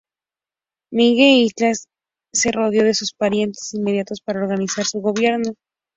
Miguel Iglesias se rodeó de sus parientes inmediatos para organizar su gobierno.